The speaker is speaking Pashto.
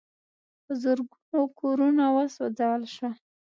په زرګونو کورونه وسوځول شول.